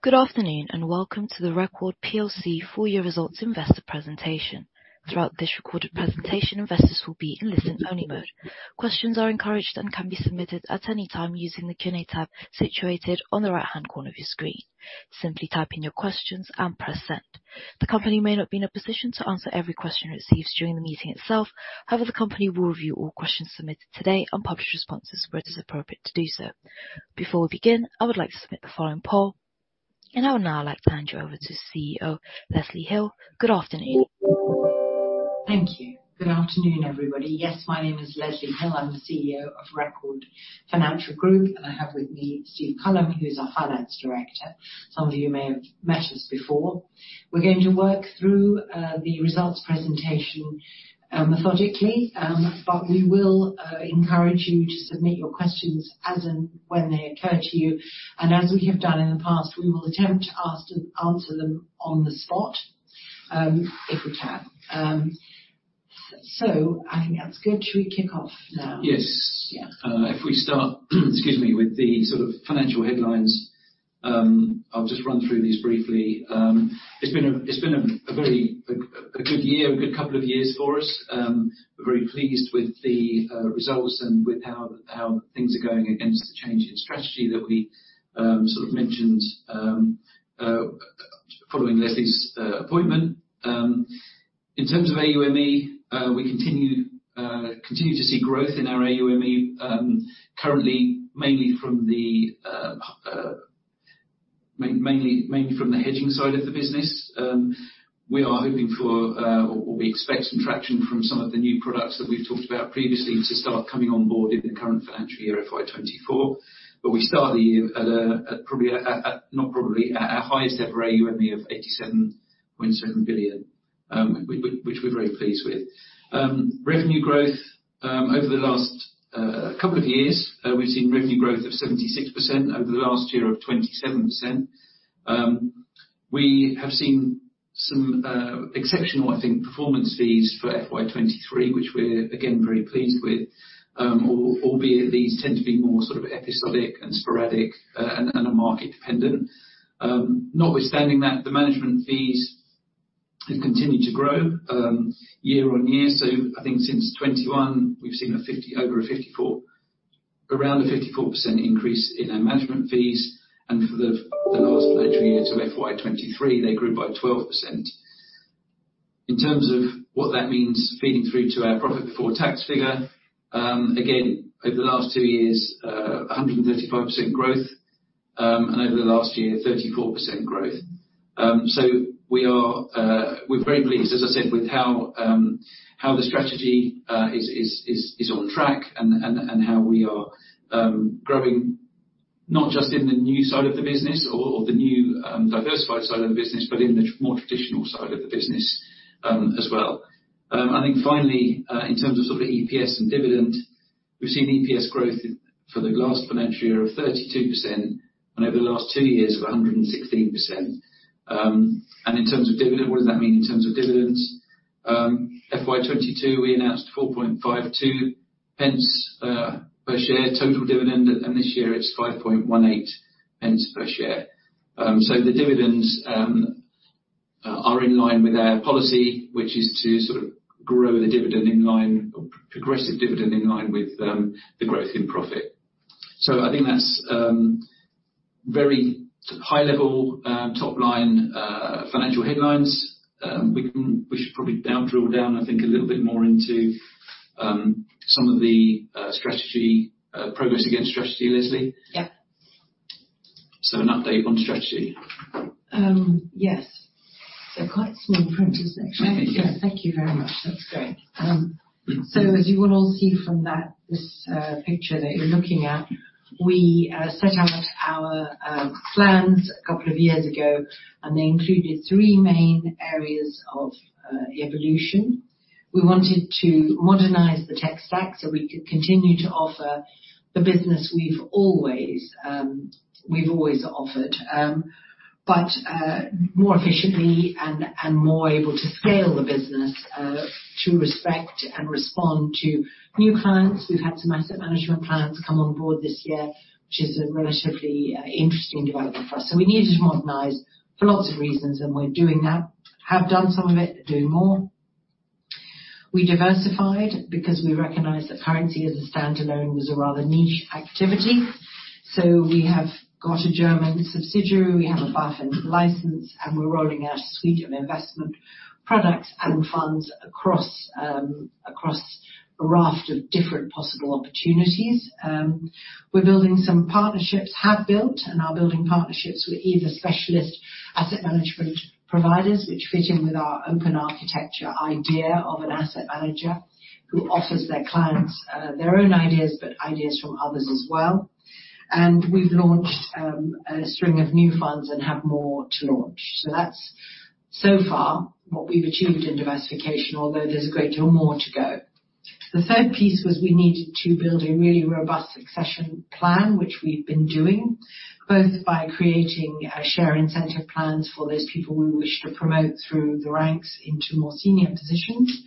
Good afternoon, welcome to the Record plc full year results investor presentation. Throughout this recorded presentation, investors will be in listen-only mode. Questions are encouraged and can be submitted at any time using the Q&A tab situated on the right-hand corner of your screen. Simply type in your questions and press Send. The company may not be in a position to answer every question it receives during the meeting itself. However, the company will review all questions submitted today and publish responses where it is appropriate to do so. Before we begin, I would like to submit the following poll. I would now like to hand you over to CEO, Leslie Hill. Good afternoon. Thank you. Good afternoon, everybody. Yes, my name is Leslie Hill. I'm the CEO of Record Financial Group, and I have with me Steve Cullen, who's our Finance Director. Some of you may have met us before. We're going to work through the results presentation methodically, but we will encourage you to submit your questions as and when they occur to you. As we have done in the past, we will attempt to answer them on the spot, if we can. I think that's good. Should we kick off now? Yes. Yeah. If we start, excuse me, with the sort of financial headlines, I'll just run through these briefly. It's been a very good year, a good couple of years for us. We're very pleased with the results and with how things are going against the change in strategy that we sort of mentioned following Leslie's appointment. In terms of AUME, we continue to see growth in our AUME, currently, mainly from the hedging side of the business. We are hoping for or we expect some traction from some of the new products that we've talked about previously to start coming on board in the current financial year, FY 2024. We start the year at probably a... Not probably, at a highest ever AUME of 87.7 billion, which we're very pleased with. Revenue growth over the last couple of years, we've seen revenue growth of 76%, over the last year of 27%. We have seen some exceptional, I think, performance fees for FY 2023, which we're again, very pleased with. Albeit, these tend to be more sort of episodic and sporadic, and are market dependent. Notwithstanding that, the management fees have continued to grow year on year. I think since 2021, we've seen around a 54% increase in our management fees, and for the last financial year to FY 2023, they grew by 12%. In terms of what that means, feeding through to our profit before tax figure, again, over the last two years, 135% growth, and over the last year, 34% growth. We are, we're very pleased, as I said, with how the strategy is on track, and how we are growing, not just in the new side of the business or the new diversified side of the business, but in the more traditional side of the business, as well. I think finally, in terms of sort of EPS and dividend, we've seen EPS growth for the last financial year of 32%, and over the last two years of 116%. In terms of dividend, what does that mean in terms of dividends? FY 2022, we announced 0.0452 per share, total dividend, and this year it's 0.0518 per share. The dividends are in line with our policy, which is to sort of grow the dividend in line with the growth in profit. I think that's very high level, top line, financial headlines. We should probably now drill down, I think, a little bit more into some of the strategy, progress against strategy, Leslie? Yeah. An update on strategy. Yes. Quite small print, actually. Yes. Thank you very much. That's great. Mm-hmm. As you will all see from that, this picture that you're looking at, we set out our plans a couple of years ago, and they included three main areas of evolution. We wanted to modernize the tech stack so we could continue to offer the business we've always offered, but more efficiently and more able to scale the business to respect and respond to new clients. We've had some asset management clients come on board this year, which is a relatively interesting development for us. We needed to modernize for lots of reasons, and we're doing that. Have done some of it, doing more. We diversified because we recognized that currency as a standalone was a rather niche activity. We have got a German subsidiary, we have a BaFin license, and we're rolling out a suite of investment products and funds across a raft of different possible opportunities. We're building some partnerships, have built and are building partnerships with either specialist asset management providers, which fit in with our open architecture idea of an asset manager, who offers their clients, their own ideas, but ideas from others as well. We've launched a string of new funds and have more to launch. That's so far what we've achieved in diversification, although there's a great deal more to go. The third piece was we needed to build a really robust succession plan, which we've been doing, both by creating share incentive plans for those people we wish to promote through the ranks into more senior positions.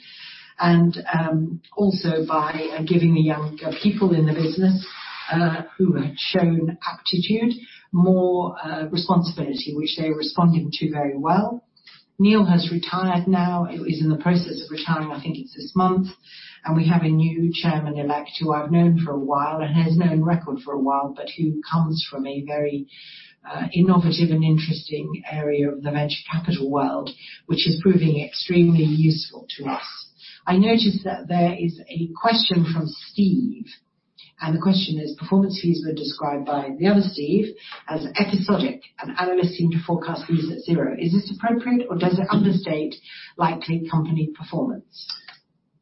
Also by giving the younger people in the business, who have shown aptitude, more responsibility, which they are responding to very well. Neil has retired now. He is in the process of retiring. I think it's this month. We have a new Chairman-elect, who I've known for a while, and has known Record for a while, but who comes from a very innovative and interesting area of the venture capital world, which is proving extremely useful to us. I noticed that there is a question from Steve. The question is: "Performance fees were described by the other Steve as episodic, and analysts seem to forecast these at zero. Is this appropriate or does it understate likely company performance?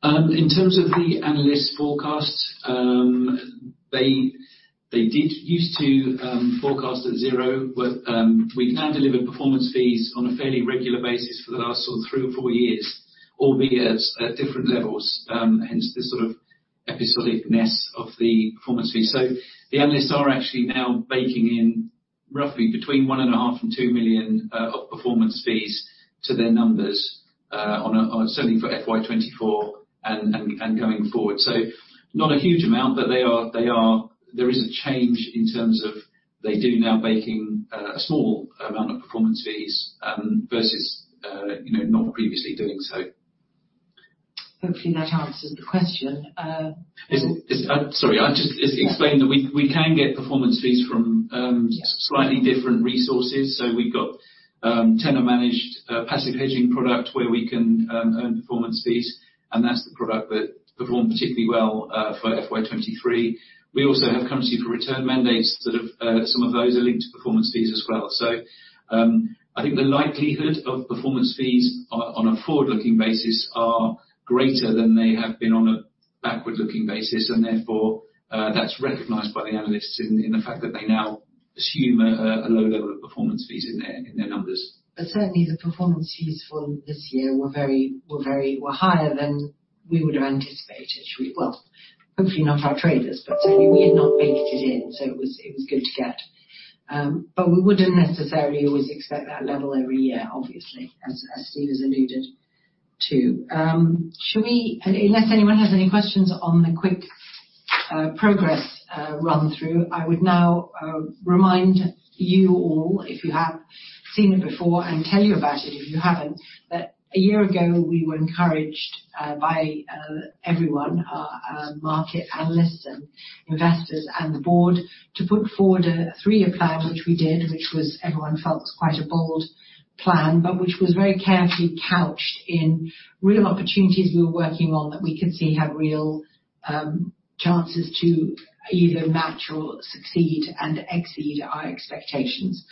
In terms of the analyst forecast, they did used to forecast at zero. We can now deliver performance fees on a fairly regular basis for the last, sort of, three or four years, albeit at different levels, hence the sort of episodicness of the performance fee. The analysts are actually now baking in roughly between 1.5 million and 2 million of performance fees to their numbers, certainly for FY 2024 and going forward. Not a huge amount, but there is a change in terms of they do now baking a small amount of performance fees versus, you know, not previously doing so. Hopefully that answers the question. Is sorry, I'll just explain that we can get performance fees from. Yeah... slightly different resources. We've got, tenor-managed, Passive Hedging product, where we can, earn performance fees, and that's the product that performed particularly well, for FY 2023. We also have Currency for Return mandates that have, some of those are linked to performance fees as well. I think the likelihood of performance fees on a forward-looking basis are greater than they have been on a backward-looking basis, and therefore, that's recognized by the analysts in the fact that they now assume a low level of performance fees in their, in their numbers. Certainly the performance fees for this year were very, were higher than we would have anticipated. Well, hopefully not our traders, but certainly we had not baked it in, so it was, it was good to get. We wouldn't necessarily always expect that level every year, obviously, as Steve has alluded to. Unless anyone has any questions on the quick progress run through, I would now remind you all, if you have seen it before, and tell you about it, if you haven't, that a year ago, we were encouraged by everyone, market analysts and investors and the board, to put forward a three-year plan, which we did, which was everyone felt was quite a bold plan, but which was very carefully couched in real opportunities we were working on, that we could see have real chances to either match or succeed and exceed our expectations.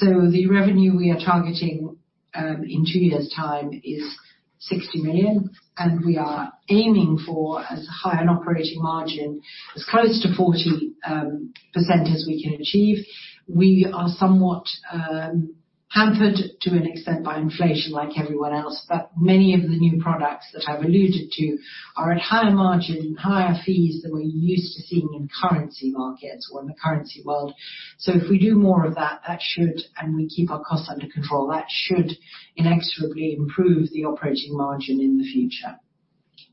The revenue we are targeting in two years' time is 60 million, and we are aiming for as high an operating margin, as close to 40% as we can achieve. We are somewhat hampered to an extent by inflation like everyone else, but many of the new products that I've alluded to are at higher margin, higher fees than we're used to seeing in currency markets or in the currency world. If we do more of that, and we keep our costs under control, that should inexorably improve the operating margin in the future.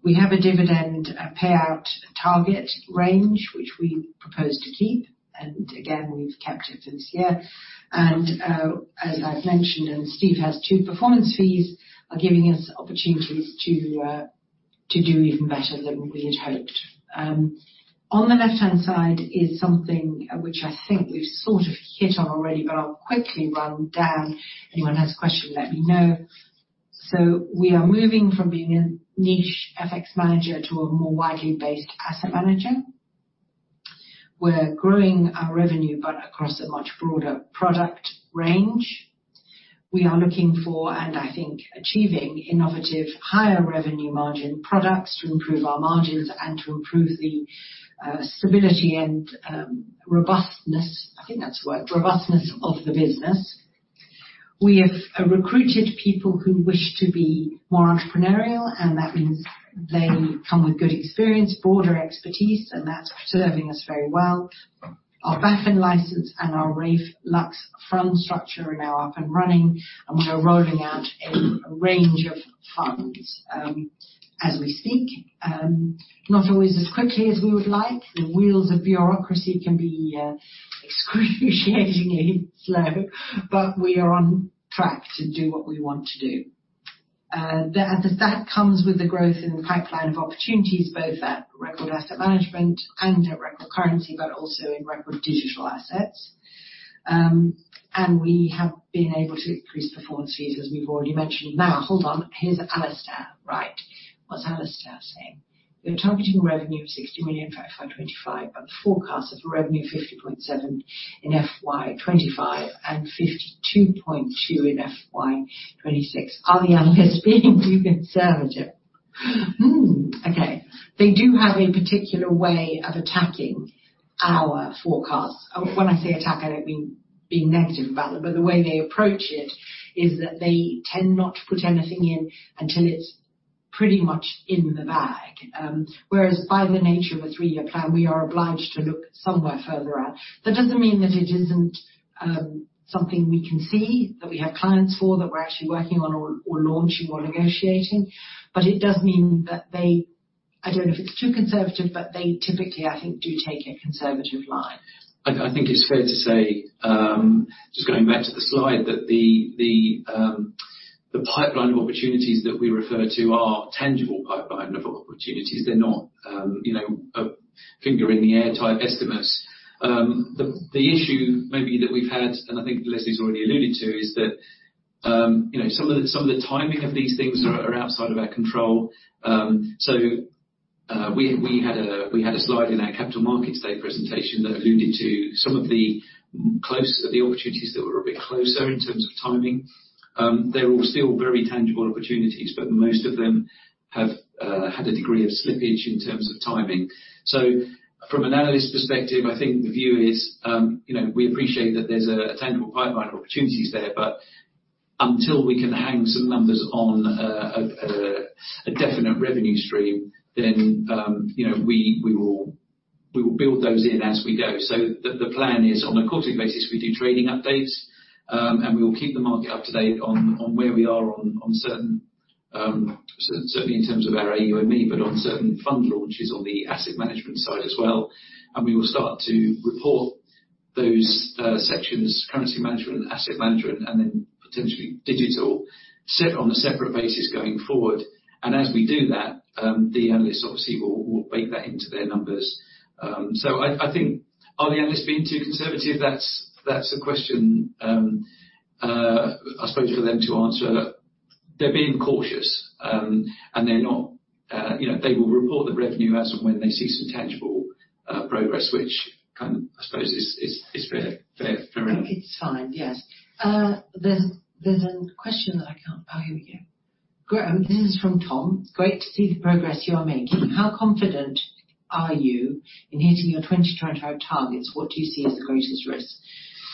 We have a dividend, a payout target range, which we propose to keep, and again, we've kept it for this year. As I've mentioned, and Steve has too, performance fees are giving us opportunities to do even better than we had hoped. On the left-hand side is something which I think we've sort of hit on already, but I'll quickly run down. Anyone has a question, let me know. We are moving from being a niche FX manager to a more widely based asset manager. We're growing our revenue, but across a much broader product range. We are looking for, and I think, achieving innovative, higher revenue margin products to improve our margins and to improve the stability and robustness. I think that's the word, robustness of the business. We have recruited people who wish to be more entrepreneurial, and that means they come with good experience, broader expertise, and that's serving us very well. Our BaFin license and our Raiffeisen Lux fund structure are now up and running, and we are rolling out a range of funds, as we speak. Not always as quickly as we would like. The wheels of bureaucracy can be excruciatingly slow, but we are on track to do what we want to do. That comes with the growth in the pipeline of opportunities, both at Record Asset Management and at Record Currency, but also in Record Digital Assets. We have been able to increase performance fees, as we've already mentioned. Hold on, here's Alistair. Right. What's Alistair saying? "We're targeting revenue of 60 million for FY 2025, but the forecast of revenue 50.7 in FY 2025 and 52.2 in FY 2026. Are the analysts being too conservative?" Okay. They do have a particular way of attacking our forecast. When I say attack, I don't mean being negative about them, but the way they approach it is that they tend not to put anything in until it's pretty much in the bag. By the nature of a three-year plan, we are obliged to look somewhere further out. That doesn't mean that it isn't something we can see, that we have clients for, that we're actually working on or launching or negotiating, but it does mean that I don't know if it's too conservative, but they typically, I think, do take a conservative line. I think it's fair to say, just going back to the slide, that the pipeline of opportunities that we refer to are tangible pipeline of opportunities. They're not, you know, a finger in the air type estimates. The issue maybe that we've had, and I think Leslie's already alluded to, is that, you know, some of the timing of these things are outside of our control. We had a slide in our Capital Markets Day presentation that alluded to some of the opportunities that were a bit closer in terms of timing. They're all still very tangible opportunities, most of them have had a degree of slippage in terms of timing. From an analyst perspective, I think the view is, you know, we appreciate that there's a tangible pipeline of opportunities there, but until we can hang some numbers on a definite revenue stream, then, you know, we will build those in as we go. The plan is on a quarterly basis, we do trading updates, and we will keep the market up to date on where we are on certain, certainly in terms of our AUME, but on certain fund launches on the asset management side as well. We will start to report those sections, currency management, asset management, and then potentially digital, set on a separate basis going forward. As we do that, the analysts obviously will bake that into their numbers. I think are the analysts being too conservative? That's a question, I suppose for them to answer. They're being cautious, and they're not. You know, they will report the revenue as and when they see some tangible progress, which kind of, I suppose, is fair for them. I think it's fine, yes. There's a question that I can't... Oh, here we go. Great. This is from Tom. "Great to see the progress you are making. How confident are you in hitting your 2025 targets? What do you see as the greatest risk?"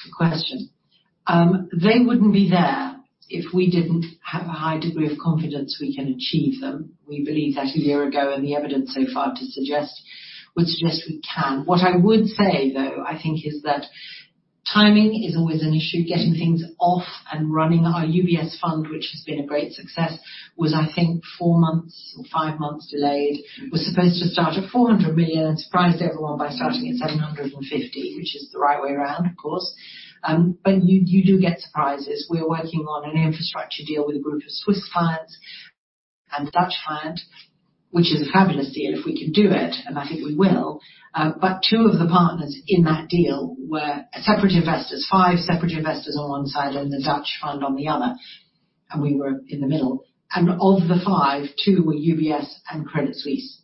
Good question. They wouldn't be there if we didn't have a high degree of confidence we can achieve them. We believed that a year ago, and the evidence so far to suggest, would suggest we can. What I would say, though, I think, is that timing is always an issue, getting things off and running. Our UBS fund, which has been a great success, was, I think, four months or five months delayed. Was supposed to start at 400 million and surprised everyone by starting at 750, which is the right way around, of course. You, you do get surprises. We are working on an infrastructure deal with a group of Swiss funds and a Dutch fund, which is a fabulous deal if we can do it, and I think we will. two of the partners in that deal were separate investors, five separate investors on one side and the Dutch fund on the other, and we were in the middle. Of the five, two were UBS and Credit Suisse.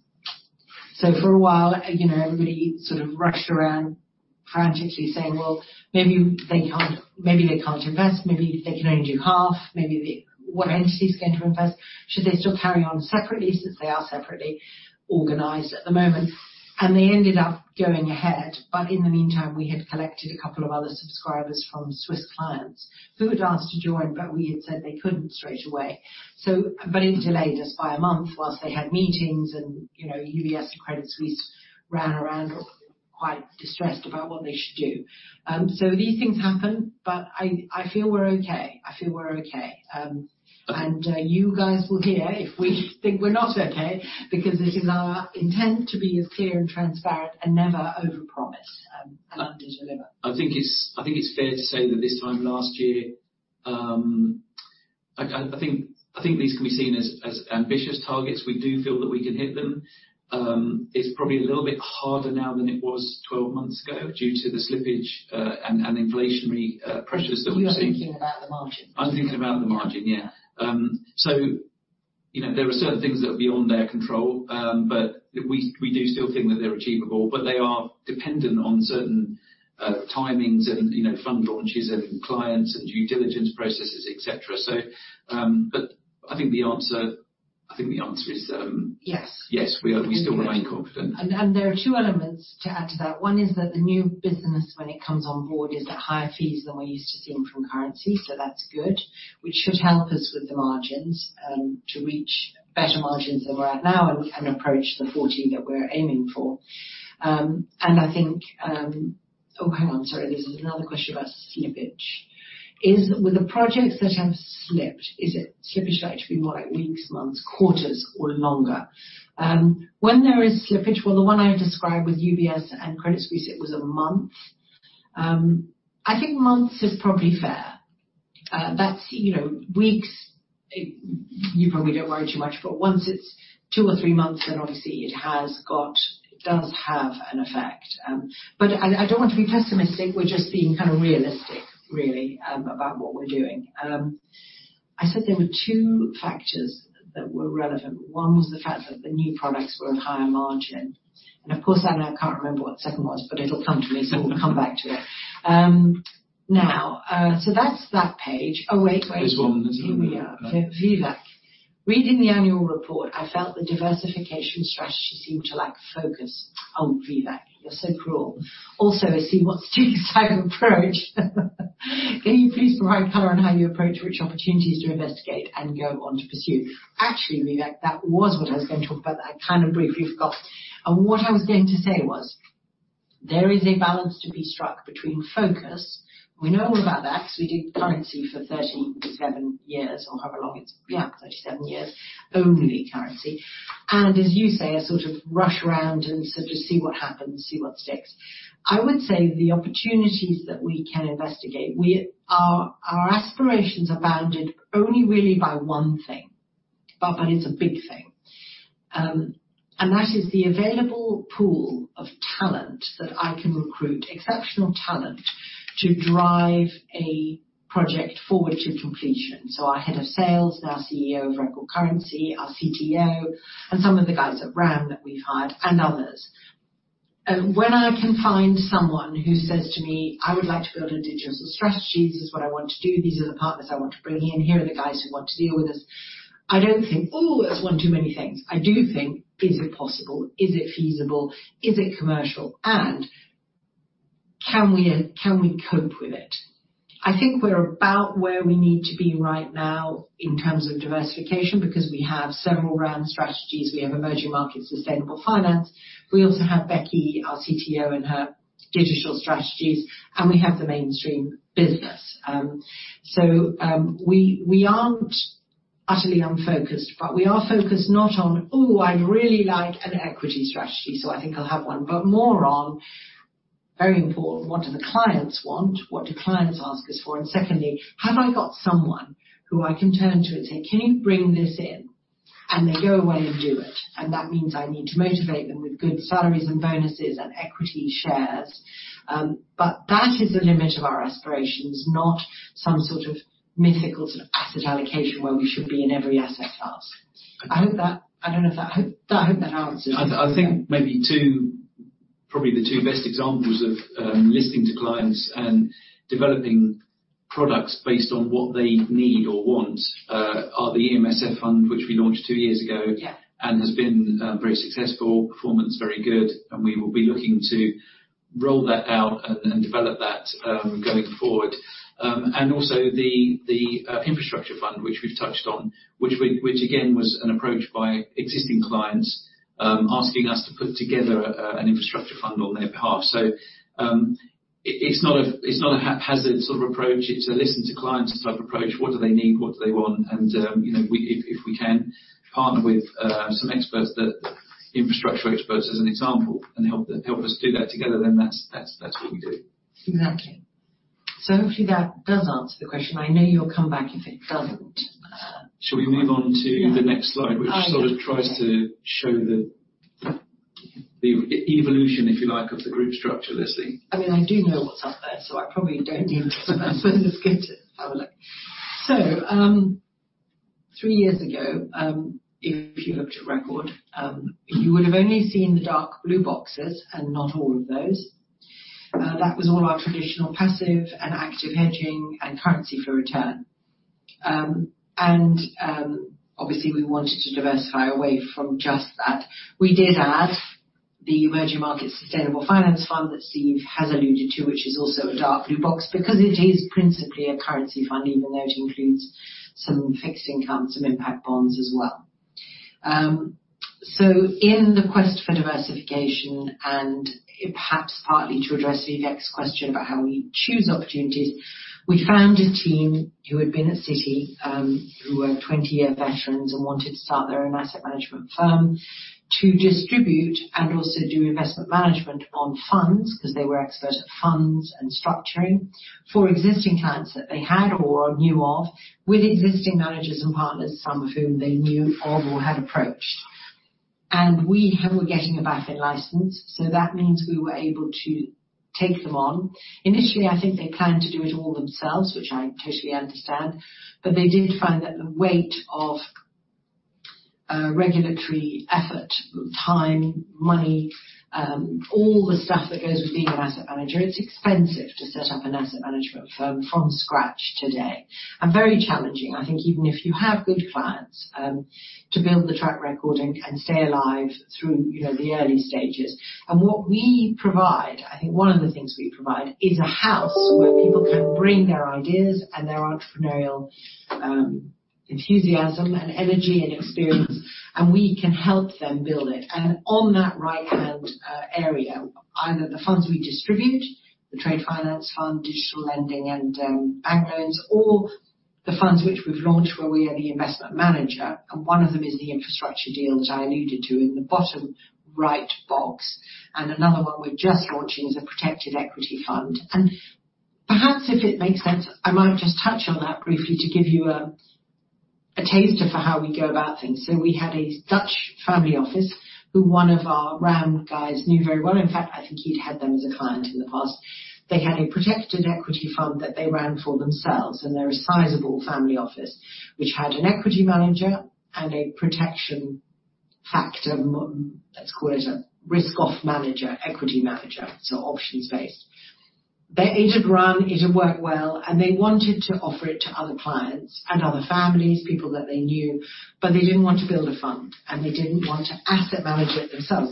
For a while, you know, everybody sort of rushed around frantically saying, "Well, maybe they can't, maybe they can't invest. Maybe they can only do half. What entity is going to invest? Should they still carry on separately, since they are separately organized at the moment? They ended up going ahead, but in the meantime, we had collected two other subscribers from Swiss clients who had asked to join, but we had said they couldn't straight away. It delayed us by a month whilst they had meetings, and, you know, UBS and Credit Suisse ran around quite distressed about what they should do. So these things happen, but I feel we're okay. I feel we're okay. You guys will hear if we think we're not okay, because it is our intent to be as clear and transparent and never over-promise and under-deliver. I think it's fair to say that this time last year, I think these can be seen as ambitious targets. We do feel that we can hit them. It's probably a little bit harder now than it was 12 months ago due to the slippage and inflationary pressures that we've seen. You are thinking about the margin? I'm thinking about the margin, yeah. Yeah. you know, there are certain things that are beyond their control, but we do still think that they're achievable, but they are dependent on certain timings and, you know, fund launches and clients and due diligence processes, et cetera. But I think the answer is. Yes. Yes, we are, we still remain confident. There are two elements to add to that. One is that the new business, when it comes on board, is at higher fees than we're used to seeing from currency, so that's good, which should help us with the margins, to reach better margins than we're at now and approach the 40 that we're aiming for. I think. Oh, hang on. Sorry, this is another question about slippage. "Is, with the projects that have slipped, is it slippage likely to be more like weeks, months, quarters, or longer?" When there is slippage, well, the one I described with UBS and Credit Suisse, it was a month. I think months is probably fair. That's, you know, weeks, you probably don't worry too much, but once it's two or three months, then obviously it does have an effect. I don't want to be pessimistic. We're just being kind of realistic, really, about what we're doing. I said there were two factors that were relevant. One was the fact that the new products were of higher margin, and of course, I now can't remember what the second was, but it'll come to me, so we'll come back to it. Now, that's that page. Oh, wait. There's one. Here we are. Vivek. "Reading the annual report, I felt the diversification strategy seemed to lack focus." Oh, Vivek, you're so cruel. "I see what stick type of approach. Can you please provide color on how you approach which opportunities to investigate and go on to pursue?" Actually, Vivek, that was what I was going to talk about, that I kind of briefly forgot, and what I was going to say was: There is a balance to be struck between focus. We know all about that because we did currency for 37 years or however long it's, yeah, 37 years, only currency. As you say, a sort of rush around and sort of see what happens, see what sticks. I would say the opportunities that we can investigate, our aspirations are bounded only really by one thing, but it's a big thing. That is the available pool of talent that I can recruit, exceptional talent, to drive a project forward to completion. Our Head of Sales, now CEO of Record Currency, our CTO, and some of the guys at RAM that we've hired and others. When I can find someone who says to me, "I would like to build a digital strategy. This is what I want to do. These are the partners I want to bring in. Here are the guys who want to deal with us," I don't think, "Oh, that's one too many things." I do think: Is it possible? Is it feasible? Is it commercial, and can we cope with it? I think we're about where we need to be right now in terms of diversification, because we have several RAM strategies. We have emerging markets, sustainable finance. We also have Becky, our CTO, and her digital strategies, and we have the mainstream business. We aren't utterly unfocused, but we are focused not on, "Oh, I'd really like an equity strategy, so I think I'll have one," but more on, very important, what do the clients want? What do clients ask us for? Secondly, have I got someone who I can turn to and say, "Can you bring this in?" They go away and do it. That means I need to motivate them with good salaries and bonuses and equity shares. That is the limit of our aspirations, not some sort of mythical sort of asset allocation, where we should be in every asset class. I hope that answers. I think maybe two, probably the two best examples of listening to clients and developing products based on what they need or want are the EMSF fund, which we launched two years ago. Yeah. Has been very successful, performance very good, and we will be looking to roll that out and develop that going forward. Also the infrastructure fund, which we've touched on, which again, was an approach by existing clients, asking us to put together an infrastructure fund on their behalf. It's not a hazard sort of approach. It's a listen to clients type approach. What do they need? What do they want? You know, we, if we can partner with some experts, infrastructure experts, as an example, and help us do that together, then that's what we do. Exactly. Hopefully that does answer the question. I know you'll come back if it doesn't. Shall we move on to the next slide? All right. which sort of tries to show the evolution, if you like, of the group structure, Leslie? I mean, I do know what's up there, so I probably don't need to. It's good to have a look. Three years ago, if you looked at Record, you would have only seen the dark blue boxes, and not all of those. That was all our traditional, Passive and active hedging and Currency for Return. And obviously, we wanted to diversify away from just that. We did add the Emerging Market Sustainable Finance Fund that Steve has alluded to, which is also a dark blue box, because it is principally a currency fund, even though it includes some fixed income, some impact bonds as well. In the quest for diversification, and perhaps partly to address the next question about how we choose opportunities, we found a team who had been at Citi, who were 20-year veterans and wanted to start their own asset management firm to distribute and also do investment management on funds, because they were expert at funds and structuring, for existing clients that they had or knew of with existing managers and partners, some of whom they knew of or had approached. We were getting a BaFin license, so that means we were able to take them on. Initially, I think they planned to do it all themselves, which I totally understand, but they did find that the weight of regulatory effort, time, money, all the stuff that goes with being an asset manager, it's expensive to set up an asset management firm from scratch today, and very challenging. I think even if you have good clients, to build the track recording and stay alive through, you know, the early stages. What we provide, I think one of the things we provide, is a house where people can bring their ideas and their entrepreneurial, enthusiasm and energy and experience, and we can help them build it. On that right-hand area, either the funds we distribute, the Trade Finance Fund, digital lending, and bank loans, or the funds which we've launched where we are the investment manager, and one of them is the infrastructure deal, which I alluded to in the bottom right box, and another one we're just launching is a Protected Equity Fund. Perhaps if it makes sense, I might just touch on that briefly to give you a taster for how we go about things. We had a Dutch family office, who one of our RAM guys knew very well. In fact, I think he'd had them as a client in the past. They had a Protected Equity Fund that they ran for themselves, and they're a sizable family office, which had an equity manager and a protection factor, let's call it a risk-off manager, equity manager, so options-based. It had run, it had worked well, and they wanted to offer it to other clients and other families, people that they knew, but they didn't want to build a fund, and they didn't want to asset manage it themselves.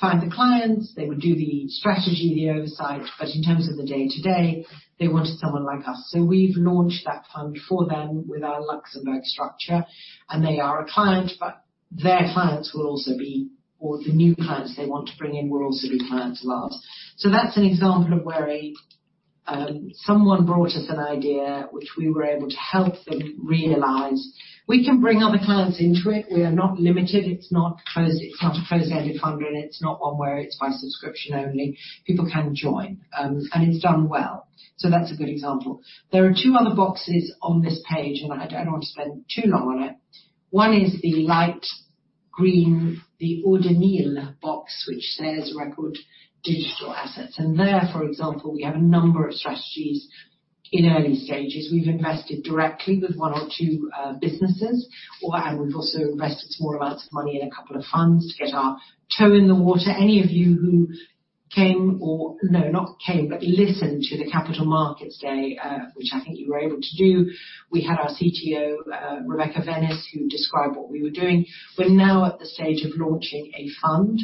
Find the clients, they would do the strategy, the oversight, but in terms of the day-to-day, they wanted someone like us. We've launched that fund for them with our Luxembourg structure, and they are a client, but their clients will also be, or the new clients they want to bring in, will also be clients of ours. That's an example of where. Someone brought us an idea which we were able to help them realize. We can bring other clients into it. We are not limited. It's not closed, it's not a closed-ended fund, and it's not one where it's by subscription only. People can join, and it's done well. That's a good example. There are two other boxes on this page, and I don't want to spend too long on it. One is the light green, the Eau de Nil box, which says Record Digital Assets. There, for example, we have a number of strategies in early stages. We've invested directly with one or two businesses, and we've also invested small amounts of money in a couple of funds to get our toe in the water. Any of you who came or, no, not came, but listened to the Capital Markets Day, which I think you were able to do, we had our CTO, Rebecca Venis, who described what we were doing. We're now at the stage of launching a fund.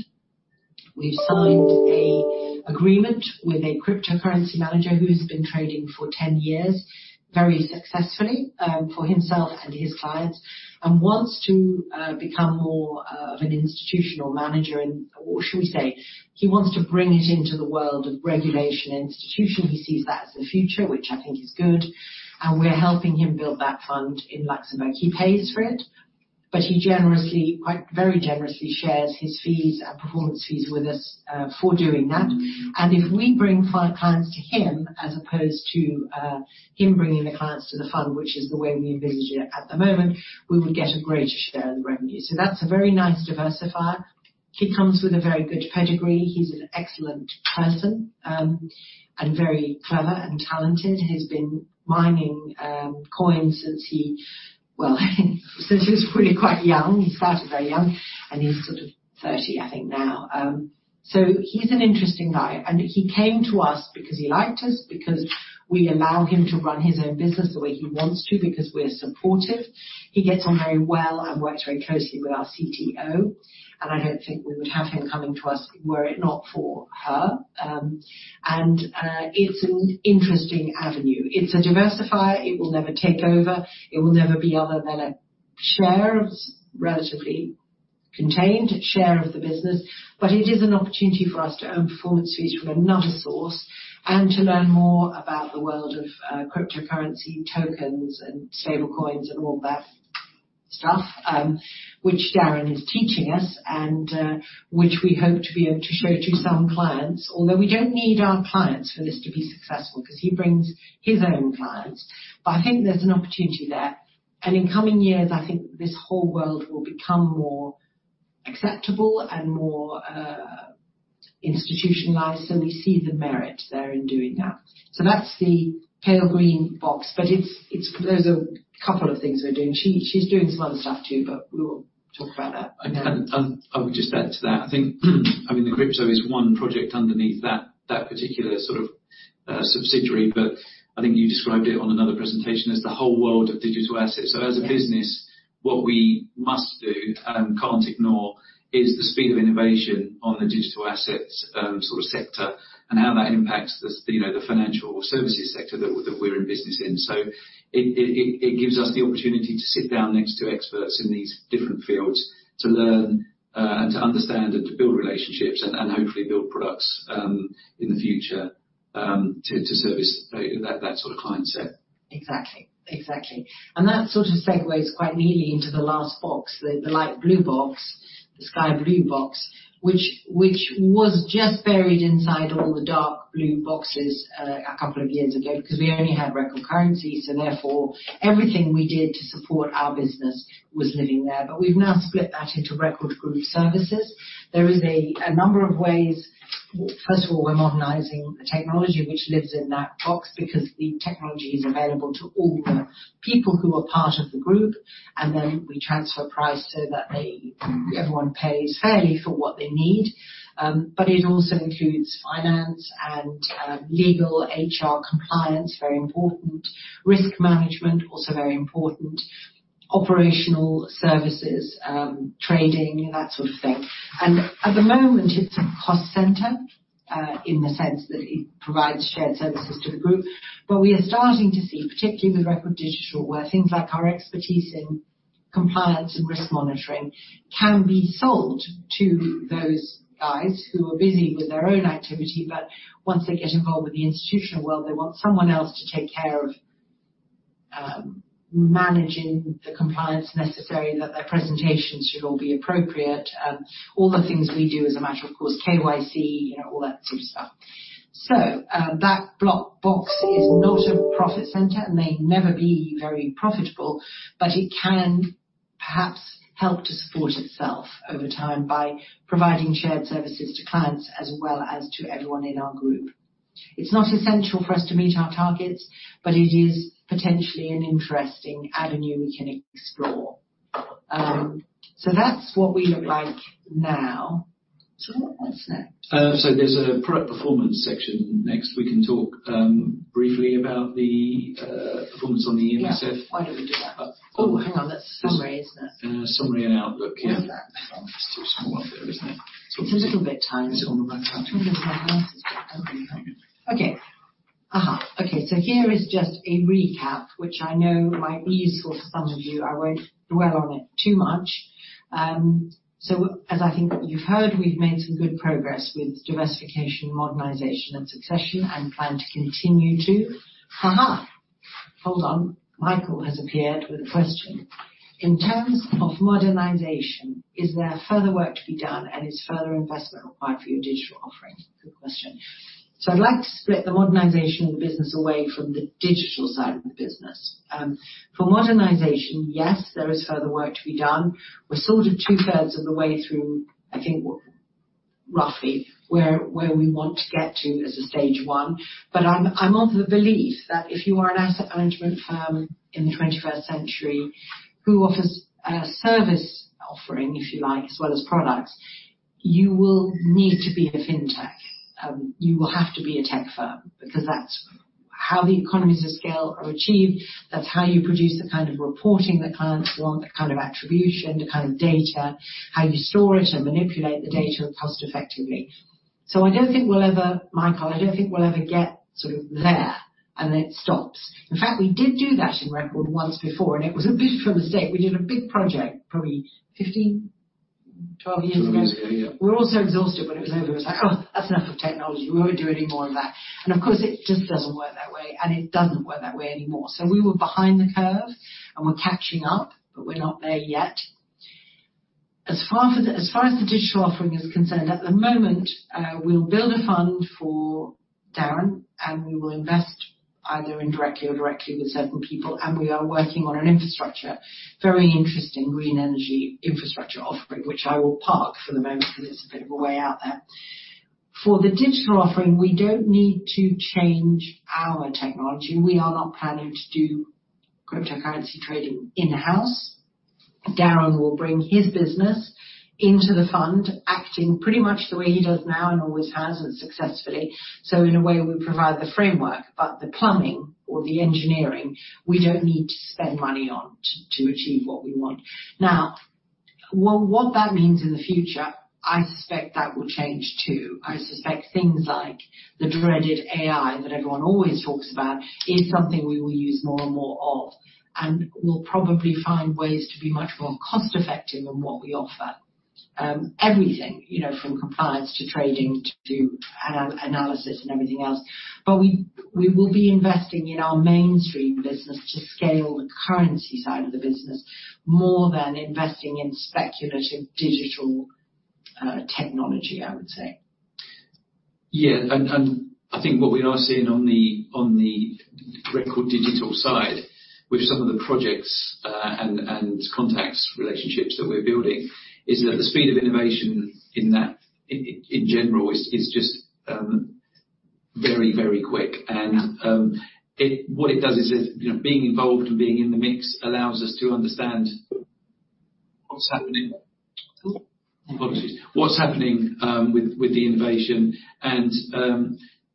We've signed a agreement with a cryptocurrency manager who's been trading for 10 years, very successfully, for himself and his clients, and wants to become more of an institutional manager, and, or should we say, he wants to bring it into the world of regulation institution. He sees that as the future, which I think is good, and we're helping him build that fund in Luxembourg. He pays for it, but he generously, quite very generously, shares his fees and performance fees with us for doing that. If we bring five clients to him, as opposed to him bringing the clients to the fund, which is the way we envisage it at the moment, we would get a greater share of the revenue. That's a very nice diversifier. He comes with a very good pedigree. He's an excellent person, and very clever and talented. He's been mining coins since he was really quite young. He started very young, and he's sort of 30, I think, now. He's an interesting guy, and he came to us because he liked us, because we allow him to run his own business the way he wants to, because we're supportive. He gets on very well and works very closely with our CTO, and I don't think we would have him coming to us were it not for her. It's an interesting avenue. It's a diversifier. It will never take over. It will never be other than a share, relatively contained share of the business, but it is an opportunity for us to earn performance fees from another source and to learn more about the world of cryptocurrency, tokens, and stable coins and all that stuff, which Darren is teaching us and which we hope to be able to show to some clients, although we don't need our clients for this to be successful because he brings his own clients. I think there's an opportunity there, and in coming years, I think this whole world will become more acceptable and more institutionalized, so we see the merit there in doing that. That's the pale green box, but it's... There's a couple of things we're doing. She's doing some other stuff, too, but we will talk about that. I would just add to that. I think, I mean, the crypto is one project underneath that particular sort of, subsidiary, but I think you described it on another presentation as the whole world of digital assets. Yes. As a business, what we must do, can't ignore, is the speed of innovation on the digital assets, sort of sector, and how that impacts you know, the financial services sector that we, that we're in business in. It gives us the opportunity to sit down next to experts in these different fields to learn and to understand and to build relationships and, hopefully build products in the future to service that sort of client set. Exactly. Exactly. That sort of segues quite neatly into the last box, the light blue box, the sky blue box, which was just buried inside all the dark blue boxes a couple of years ago, because we only had Record currency. Therefore, everything we did to support our business was living there. We've now split that into Record Group Services. There is a number of ways. First of all, we're modernizing the technology which lives in that box because the technology is available to all the people who are part of the group. Then we transfer price so that they, everyone pays fairly for what they need. It also includes finance and legal, HR, compliance, very important, risk management, also very important, operational services, trading, that sort of thing. At the moment, it's a cost center in the sense that it provides shared services to the group. We are starting to see, particularly with Record Digital, where things like our expertise in compliance and risk monitoring can be sold to those guys who are busy with their own activity, but once they get involved with the institutional world, they want someone else to take care of managing the compliance necessary, that their presentations should all be appropriate, all the things we do as a matter of course, KYC, you know, all that sort of stuff. That block box is not a profit center and may never be very profitable, but it can perhaps help to support itself over time by providing shared services to clients as well as to everyone in our group. It's not essential for us to meet our targets, but it is potentially an interesting avenue we can explore. That's what we look like now. What's next? There's a product performance section. Next, we can talk briefly about the performance on the EMSF. Yeah. Why don't we do that? Oh, hang on. That's summary, isn't it? Summary and outlook, yeah. What's that? It's still small up there, isn't it? It's a little bit tiny. It's on the left-hand side. Okay. Here is just a recap, which I know might be useful for some of you. I won't dwell on it too much. As I think you've heard, we've made some good progress with diversification, modernization, and succession, and plan to continue to. Hold on. Michael has appeared with a question. In terms of modernization, is there further work to be done, and is further investment required for your digital offering? Good question. I'd like to split the modernization of the business away from the digital side of the business. For modernization, yes, there is further work to be done. We're sort of two-thirds of the way through, I think, roughly, where we want to get to as a stage one. I'm of the belief that if you are an asset management firm in the 21st century, who offers a service offering, if you like, as well as products, you will need to be a fintech. You will have to be a tech firm because that's how the economies of scale are achieved, that's how you produce the kind of reporting that clients want, the kind of attribution, the kind of data, how you store it and manipulate the data cost effectively. I don't think we'll ever, Michael, I don't think we'll ever get sort of there, and then it stops. In fact, we did do that in Record once before, and it was a bit of a mistake. We did a big project, probably 15, 12 years ago. 12 years ago, yeah. We were all so exhausted when it was over. It was like, "Oh, that's enough of technology. We won't do any more of that." Of course, it just doesn't work that way, and it doesn't work that way anymore. We were behind the curve, and we're catching up, but we're not there yet. As far as the digital offering is concerned, at the moment, we'll build a fund for Darren, we will invest either indirectly or directly with certain people, we are working on an infrastructure, very interesting green energy infrastructure offering, which I will park for the moment because it's a bit of a way out there. For the digital offering, we don't need to change our technology. We are not planning to do cryptocurrency trading in-house. Darren will bring his business into the fund, acting pretty much the way he does now and always has, and successfully. In a way, we provide the framework, but the plumbing or the engineering, we don't need to spend money on to achieve what we want. Well, what that means in the future, I suspect that will change, too. I suspect things like the dreaded AI that everyone always talks about is something we will use more and more of, and we'll probably find ways to be much more cost-effective on what we offer. Everything, you know, from compliance to trading, to analysis and everything else. We will be investing in our mainstream business to scale the currency side of the business, more than investing in speculative digital technology, I would say. Yeah, I think what we are seeing on the Record Digital side, with some of the projects, and contacts, relationships that we're building, is that the speed of innovation in that, in general, is just very, very quick. Yeah. What it does is, you know, being involved and being in the mix allows us to understand what's happening. Cool. Apologies. What's happening with the innovation, and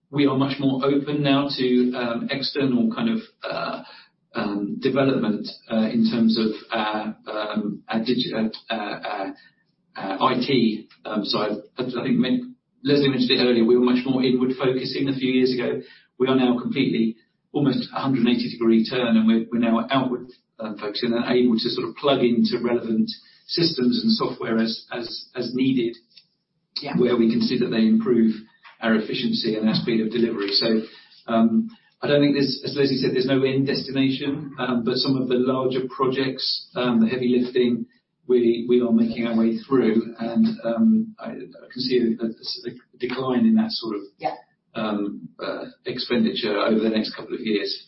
we are much more open now to external kind of development in terms of digi IT. I think Leslie mentioned it earlier, we were much more inward-focusing a few years ago. We are now completely, almost a 180-degree turn, and we're now outward focusing and able to sort of plug into relevant systems and software as needed. Yeah... where we can see that they improve our efficiency and our speed of delivery. I don't think there's, as Leslie said, there's no end destination, but some of the larger projects, the heavy lifting, we are making our way through, and I can see a decline in that sort of. Yeah... expenditure over the next couple of years.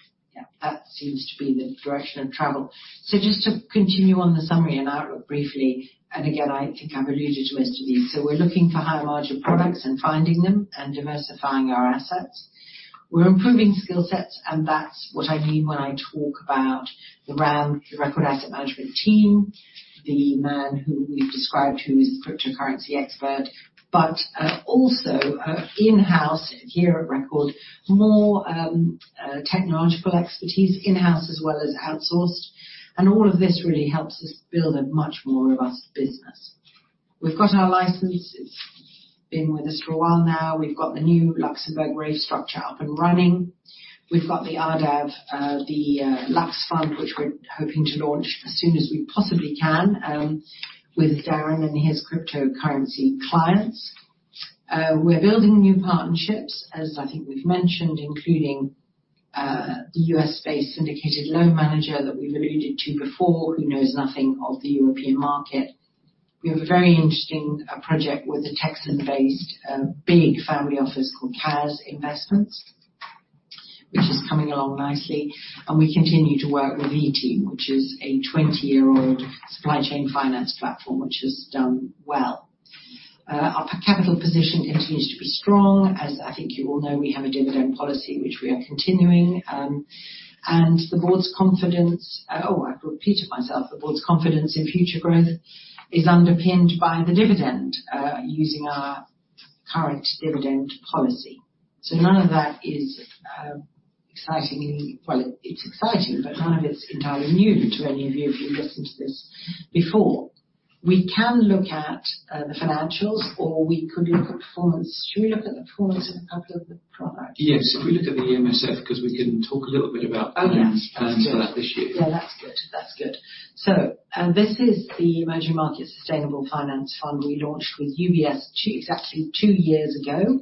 That seems to be the direction of travel. Just to continue on the summary and outlook briefly, and again, I think I've alluded to most of these. We're looking for higher margin products and finding them and diversifying our assets. We're improving skill sets, and that's what I mean when I talk about the RAM, the Record Asset Management team, the man who we've described, who is a cryptocurrency expert, but also in-house here at Record, more technological expertise in-house as well as outsourced. All of this really helps us build a much more robust business. We've got our license. It's been with us for a while now. We've got the new Luxembourg restructure up and running. We've got the RAIF, the Lux fund, which we're hoping to launch as soon as we possibly can, with Darren and his cryptocurrency clients. We're building new partnerships, as I think we've mentioned, including the U.S.-based syndicated loan manager that we've alluded to before, who knows nothing of the European market. We have a very interesting project with a Texan-based big family office called CAZ Investments, which is coming along nicely, and we continue to work with V-Team, which is a 20-year-old supply chain finance platform, which has done well. Our capital position continues to be strong. As I think you all know, we have a dividend policy, which we are continuing. The board's confidence in future growth is underpinned by the dividend, using our current dividend policy. None of that is, well, it's exciting, but none of it's entirely new to any of you, if you've listened to this before. We can look at the financials, or we could look at performance. Should we look at the performance of a couple of the products? Yes. If we look at the EMSF, because we can talk a little bit about plans. Yeah. Plans for that this year. Yeah, that's good. That's good. This is the Emerging Market Sustainable Finance Fund we launched with UBS two, it's actually two years ago.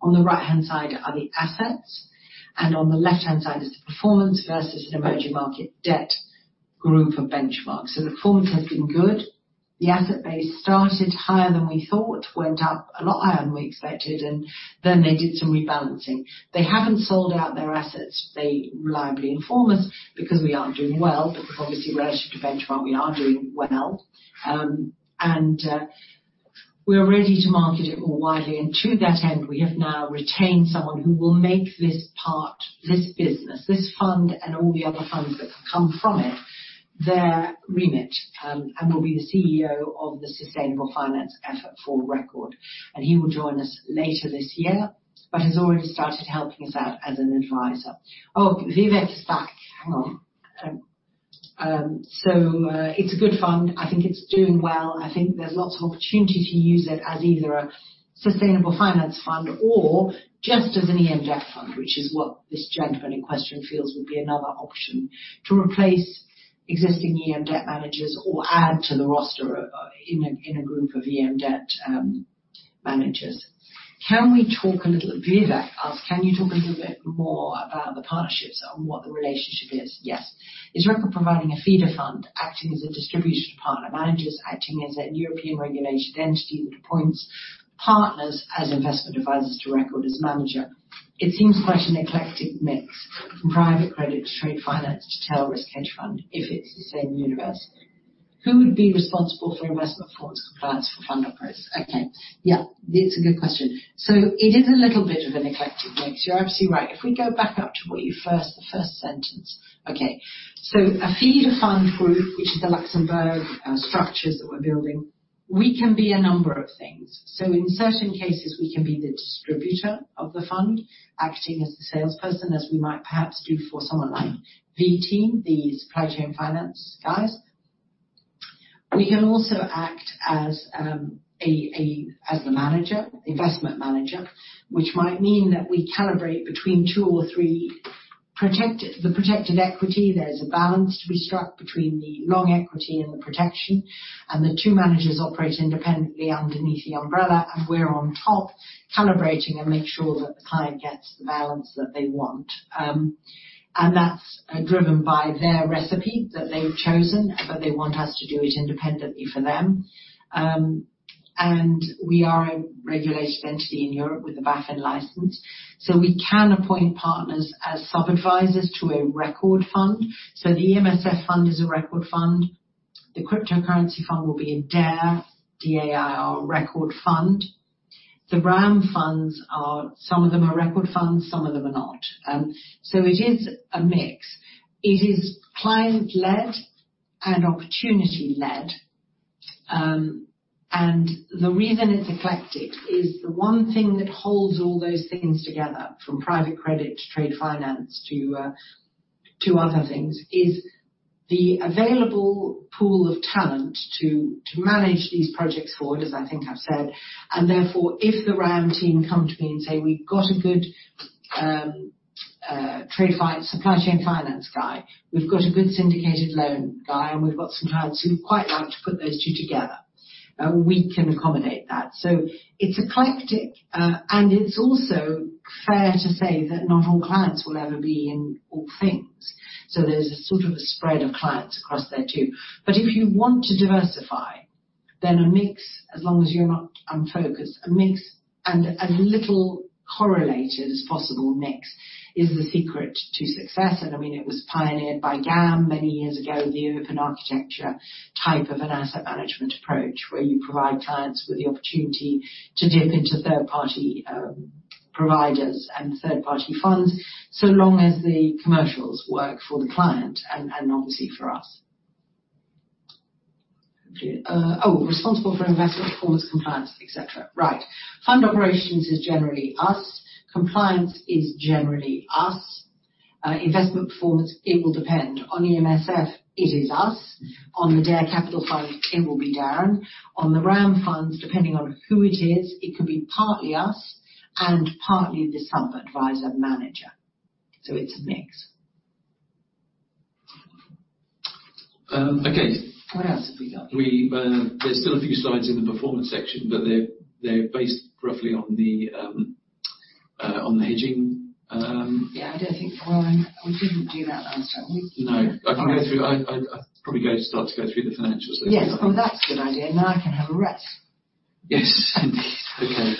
On the right-hand side are the assets, and on the left-hand side is the performance versus an emerging market debt group or benchmark. The performance has been good. The asset base started higher than we thought, went up a lot higher than we expected, and then they did some rebalancing. They haven't sold out their assets, they reliably inform us, because we aren't doing well, but obviously relative to benchmark, we are doing well. We are ready to market it more widely, and to that end, we have now retained someone who will make this part, this business, this fund, and all the other funds that come from it, their remit, and will be the CEO of the sustainable finance effort for Record. He will join us later this year, but has already started helping us out as an advisor. Oh, Vivek is back. Hang on. It's a good fund. I think it's doing well. I think there's lots of opportunity to use it as either a sustainable finance fund or just as an EM debt fund, which is what this gentleman in question feels would be another option, to replace existing EM debt managers or add to the roster, in a group of EM debt managers. Can we talk a little... Vivek asked, "Can you talk a little bit more about the partnerships and what the relationship is?" Yes. "Is Record providing a feeder fund, acting as a distribution partner, managers acting as a European regulation entity that appoints partners as investment advisors to Record as manager? It seems quite an eclectic mix, from private credit to trade finance to tail risk hedge fund, if it's the same universe. Who would be responsible for investment performance, compliance, or fund operations?" Okay. Yeah, it's a good question. It is a little bit of an eclectic mix. You're absolutely right. If we go back up to what you first, the first sentence. Okay. A feeder fund group, which is the Luxembourg structures that we're building, we can be a number of things. In certain cases, we can be the distributor of the fund, acting as the salesperson, as we might perhaps do for someone like V-Team, the supply chain finance guys. We can also act as the manager, investment manager, which might mean that we calibrate between two or three Protected Equity. The Protected Equity. There's a balance to be struck between the long equity and the protection, and the two managers operate independently underneath the umbrella, and we're on top calibrating and making sure that the client gets the balance that they want. That's driven by their recipe that they've chosen, but they want us to do it independently for them. We are a regulation entity in Europe with a BaFin license, so we can appoint partners as sub-advisers to a Record fund. The EMSF fund is a Record fund. The cryptocurrency fund will be a DAiR, D-A-I-R Record fund. The RAM funds are, some of them are Record funds, some of them are not. It is a mix. It is client-led and opportunity-led. The reason it's eclectic is the one thing that holds all those things together, from private credit to trade finance, to other things, is the available pool of talent to manage these projects forward, as I think I've said. Therefore, if the RAM team come to me and say, "We've got a good trade finance, supply chain finance guy, we've got a good syndicated loan guy, and we've got some clients who'd quite like to put those two together," we can accommodate that. It's eclectic, and it's also fair to say that not all clients will ever be in all things. There's a sort of a spread of clients across there, too. If you want to diversify, a mix, as long as you're not unfocused, a mix and as little correlated as possible mix, is the secret to success. I mean, it was pioneered by GAM many years ago, the open architecture type of an asset management approach, where you provide clients with the opportunity to dip into third-party providers and third-party funds, so long as the commercials work for the client and obviously for us. Responsible for investment performance, compliance, et cetera. Right. Fund operations is generally us. Compliance is generally us. Investment performance, it will depend. On EMSF, it is us. On the DAiR Capital fund, it will be Darren. On the RAM funds, depending on who it is, it could be partly us and partly the sub-adviser manager. It's a mix. Okay. What else have we got? We, there's still a few slides in the performance section, but they're based roughly on the, on the hedging. Yeah, I don't think. Well, we didn't do that last time. No. I can go through... I'll probably go start to go through the financials then. Yes. Well, that's a good idea. Now I can have a rest. Yes. Okay.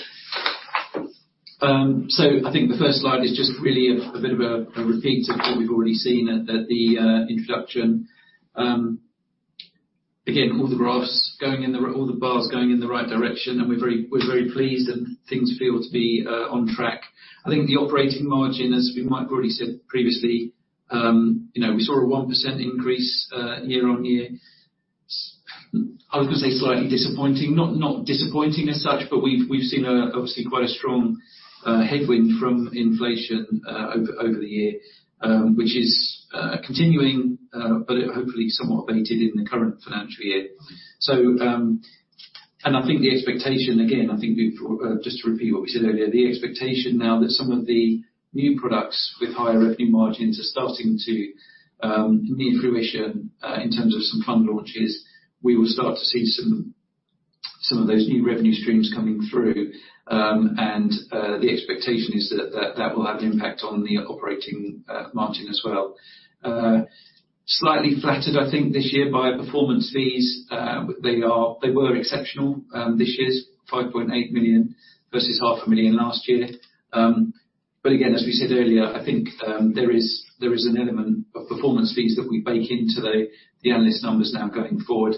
I think the first slide is just really a bit of a repeat of what we've already seen at the introduction. Again, all the bars going in the right direction, and we're very pleased, and things feel to be on track. I think the operating margin, as we might have already said previously, you know, we saw a 1% increase year-on-year. I was gonna say slightly disappointing, not disappointing as such, but we've seen a, obviously, quite a strong headwind from inflation over the year, which is continuing, but hopefully somewhat abated in the current financial year. I think the expectation, again, I think just to repeat what we said earlier, the expectation now that some of the new products with higher revenue margins are starting to near fruition, in terms of some fund launches, we will start to see some of those new revenue streams coming through. The expectation is that will have an impact on the operating margin as well. Slightly flattered, I think, this year by performance fees. They were exceptional, this year's 5.8 million versus 500,000 last year. But again, as we said earlier, I think, there is an element of performance fees that we bake into the analyst numbers now going forward.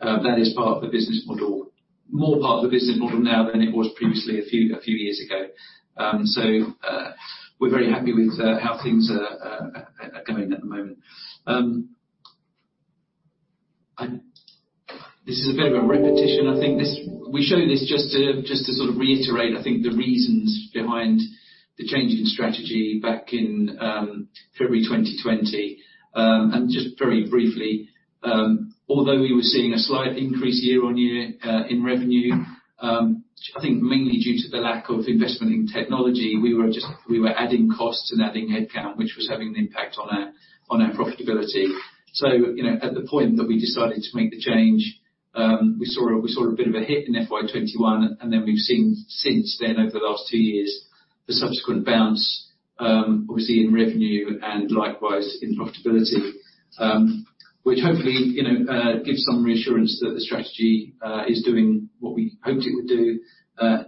That is part of the business model. More part of the business model now than it was previously a few years ago. We're very happy with how things are going at the moment. This is a bit of a repetition. I think we show this just to sort of reiterate, I think, the reasons behind the change in strategy back in February 2020. Just very briefly, although we were seeing a slight increase year-on-year in revenue, which I think mainly due to the lack of investment in technology, we were adding costs and adding headcount, which was having an impact on our profitability. You know, at the point that we decided to make the change, we saw a bit of a hit in FY 2021, and then we've seen since then, over the last two years, the subsequent bounce, obviously in revenue and likewise in profitability, which hopefully, you know, gives some reassurance that the strategy is doing what we hoped it would do,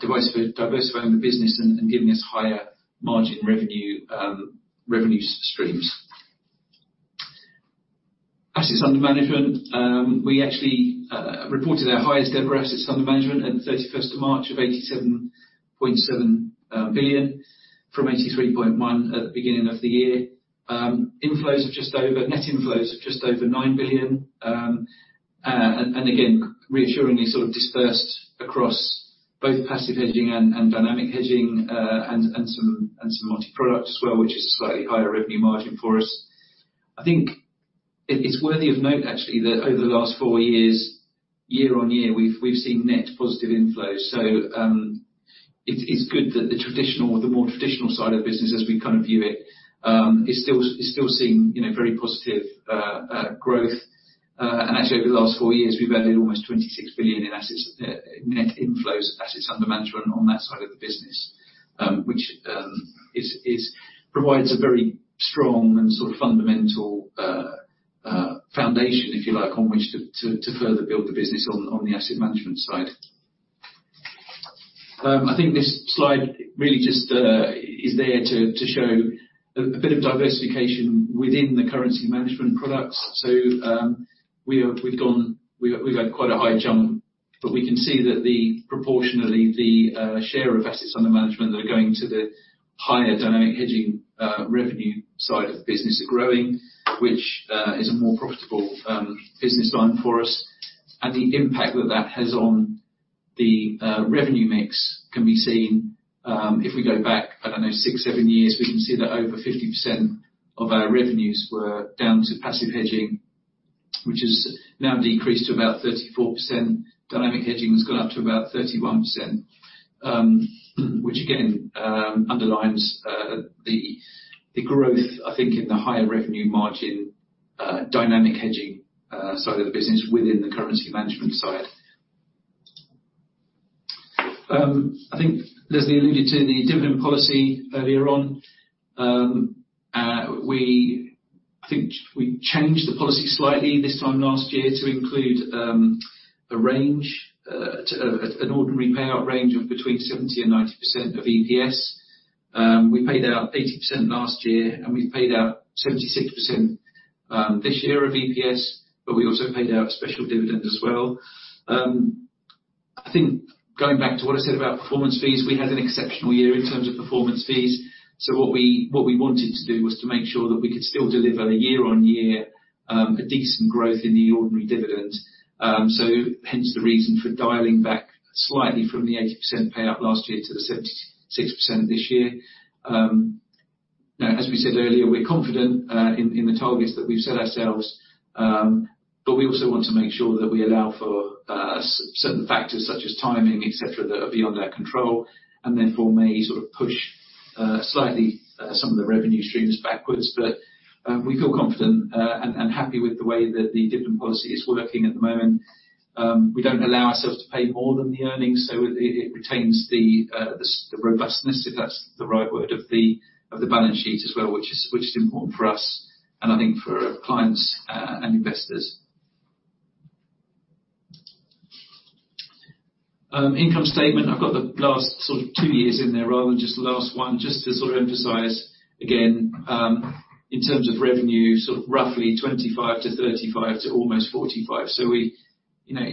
diversifying the business and giving us higher margin revenue revenue streams. Assets under management. We actually reported our highest ever assets under management at 31st of March of 87.7 billion, from 83.1 at the beginning of the year. Net inflows of just over 9 billion. Again, reassuringly sort of dispersed across both Passive Hedging and Dynamic Hedging, and some multi-product as well, which is a slightly higher revenue margin for us. I think it's worthy of note, actually, that over the last four years, year-on-year, we've seen net positive inflows. It's good that the traditional, or the more traditional side of the business, as we kind of view it, is still seeing, you know, very positive growth. Actually, over the last four years, we've added almost 26 billion in assets, net inflows of assets under management on that side of the business, which provides a very strong and sort of fundamental foundation, if you like, on which to further build the business on the asset management side. I think this slide really just is there to show a bit of diversification within the currency management products. We've had quite a high jump, but we can see that proportionally, the share of assets under management that are going to the higher Dynamic Hedging revenue side of the business are growing, which is a more profitable business line for us. The impact that that has on the revenue mix can be seen, if we go back, I don't know, six, seven years, we can see that over 50% of our revenues were down to Passive Hedging, which has now decreased to about 34%. Dynamic Hedging has gone up to about 31%, which again, underlines the growth, I think, in the higher revenue margin, Dynamic Hedging, side of the business within the currency management side. I think Leslie alluded to the dividend policy earlier on. I think we changed the policy slightly this time last year to include a range to an ordinary payout range of between 70% and 90% of EPS. We paid out 80% last year, and we've paid out 76% this year of EPS, but we also paid out a special dividend as well. I think going back to what I said about performance fees, we had an exceptional year in terms of performance fees, so what we wanted to do was to make sure that we could still deliver a year-on-year, a decent growth in the ordinary dividend. Hence the reason for dialing back slightly from the 80% payout last year to the 76% this year. Now, as we said earlier, we're confident in the targets that we've set ourselves, we also want to make sure that we allow for certain factors such as timing, et cetera, that are beyond our control, and therefore may sort of push slightly some of the revenue streams backwards. We feel confident and happy with the way that the dividend policy is working at the moment. We don't allow ourselves to pay more than the earnings, so it retains the robustness, if that's the right word, of the balance sheet as well, which is important for us and I think for our clients and investors. Income statement. I've got the last sort of two years in there, rather than just the last one, just to sort of emphasize again, in terms of revenue, sort of roughly 25 to 35 to almost 45. We, you know,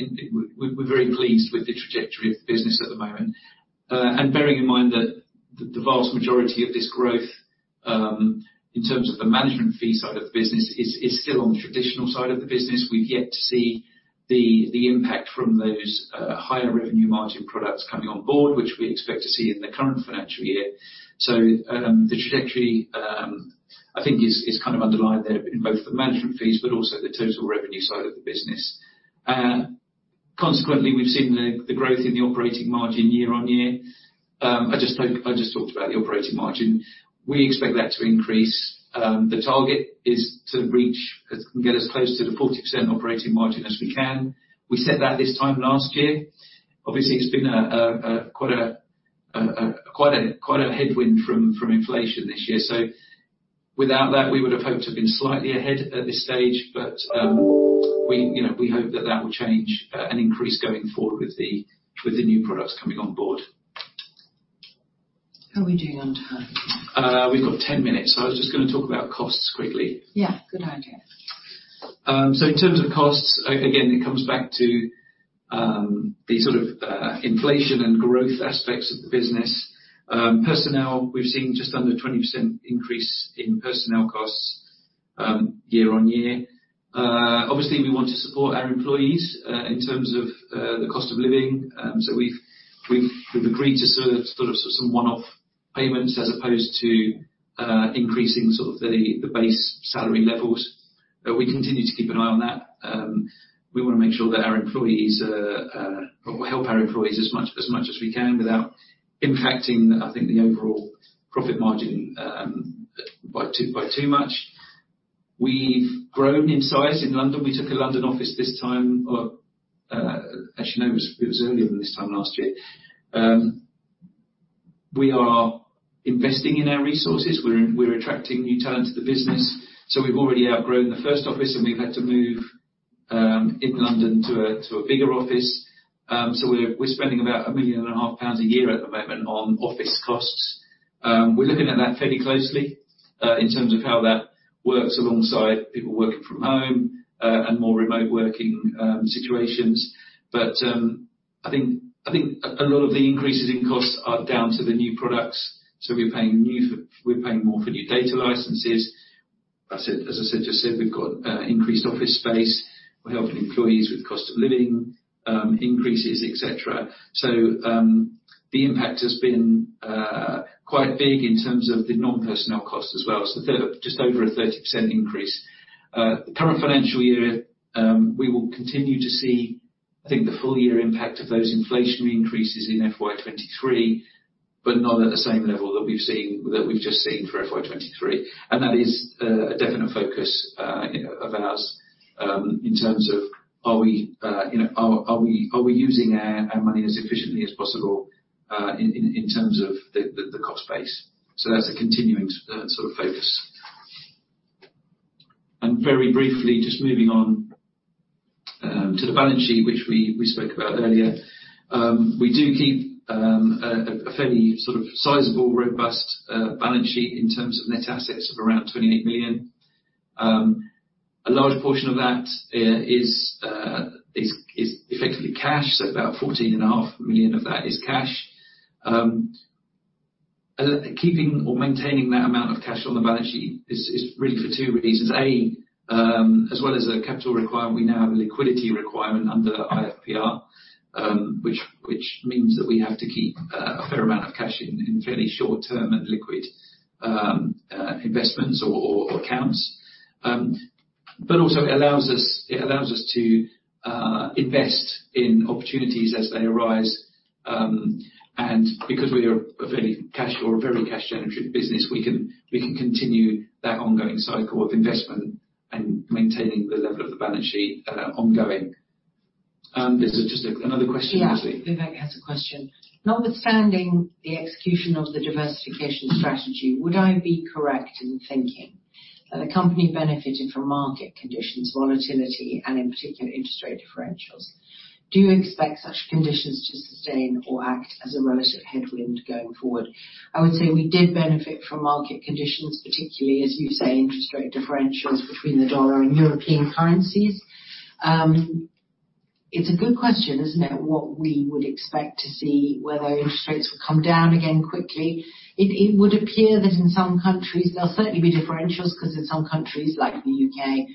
we're very pleased with the trajectory of the business at the moment. Bearing in mind that the vast majority of this growth, in terms of the management fee side of the business, is still on the traditional side of the business. We've yet to see the impact from those higher revenue margin products coming on board, which we expect to see in the current financial year. The trajectory, I think it's kind of underlined there in both the management fees, but also the total revenue side of the business. Consequently, we've seen the growth in the operating margin year-over-year. I just talked about the operating margin. We expect that to increase. The target is to reach, get as close to the 40% operating margin as we can. We said that this time last year. Obviously, it's been a quite a headwind from inflation this year. Without that, we would have hoped to have been slightly ahead at this stage. We, you know, we hope that that will change and increase going forward with the new products coming on board. How are we doing on time? We've got 10 minutes. I was just gonna talk about costs quickly. Yeah, good idea. In terms of costs, again, it comes back to the sort of inflation and growth aspects of the business. Personnel, we've seen just under 20% increase in personnel costs year on year. Obviously, we want to support our employees in terms of the cost of living. We've agreed to sort of some one-off payments as opposed to increasing sort of the base salary levels. We continue to keep an eye on that. We want to make sure that our employees are... We'll help our employees as much as we can without impacting, I think, the overall profit margin by too much. We've grown in size in London. We took a London office this time, actually, no, it was earlier than this time last year. We are investing in our resources. We're attracting new talent to the business, so we've already outgrown the first office, and we've had to move in London to a bigger office. We're spending about 1.5 million a year at the moment on office costs. We're looking at that fairly closely in terms of how that works alongside people working from home and more remote working situations. I think a lot of the increases in costs are down to the new products. We're paying more for new data licenses. That's it. As I said, we've got increased office space. We're helping employees with cost of living, increases, et cetera. The impact has been quite big in terms of the non-personnel costs as well, so just over a 30% increase. The current financial year, we will continue to see, I think, the full year impact of those inflationary increases in FY 2023, but not at the same level that we've seen, that we've just seen for FY 2023. That is a definite focus, you know, of ours, in terms of, are we, you know, are we using our money as efficiently as possible, in terms of the cost base? That's a continuing sort of focus. Very briefly, just moving on to the balance sheet, which we spoke about earlier. We do keep a fairly sort of sizable, robust balance sheet in terms of net assets of around 28 million. A large portion of that is effectively cash, so about 14.5 million of that is cash. Keeping or maintaining that amount of cash on the balance sheet is really for two reasons: A, as well as a capital requirement, we now have a liquidity requirement under IFPR, which means that we have to keep a fair amount of cash in fairly short term and liquid investments or accounts. Also, it allows us to invest in opportunities as they arise, and because we are a very cash-generative business, we can continue that ongoing cycle of investment and maintaining the level of the balance sheet, ongoing. There's just a, another question, actually. Yeah. Vivek has a question: "Notwithstanding the execution of the diversification strategy, would I be correct in thinking that the company benefited from market conditions, volatility, and in particular, interest rate differentials? Do you expect such conditions to sustain or act as a relative headwind going forward?" I would say we did benefit from market conditions, particularly, as you say, interest rate differentials between the dollar and European currencies. It's a good question, isn't it? What we would expect to see, whether interest rates will come down again quickly. It would appear that in some countries, there'll certainly be differentials, 'cause in some countries, like the U.K.,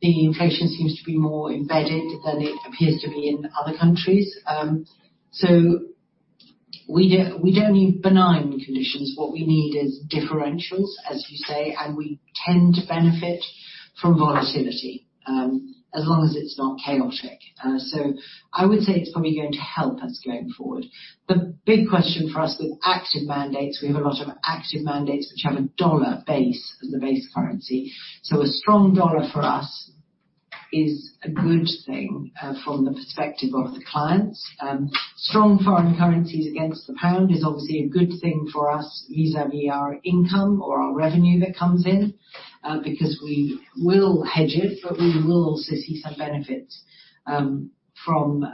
the inflation seems to be more embedded than it appears to be in other countries. We don't need benign conditions. What we need is differentials, as you say. We tend to benefit from volatility, as long as it's not chaotic. I would say it's probably going to help us going forward. The big question for us with active mandates, we have a lot of active mandates which have a dollar base as the base currency. A strong dollar for us is a good thing from the perspective of the clients. Strong foreign currencies against the pound is obviously a good thing for us, vis-à-vis our income or our revenue that comes in, because we will hedge it, but we will also see some benefits from